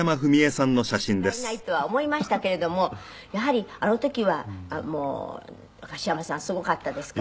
すてきな方に違いないとは思いましたけれどもやはりあの時は樫山さんすごかったですか？